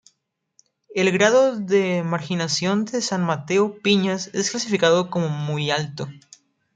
El grado de marginación de San Mateo Piñas es clasificado como Muy alto.